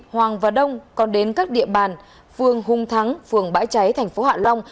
hoàng và đông còn đến các địa bàn phường hùng thắng phường bãi cháy thành phố hạ long